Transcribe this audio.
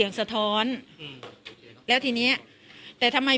กินโทษส่องแล้วอย่างนี้ก็ได้